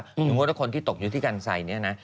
อย่างโบราณคนที่ตกอยู่ที่กันไซน์เนี่ยนะ